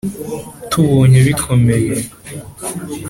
_Tubonye bikomeye